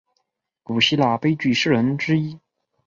古希腊悲剧诗人之一。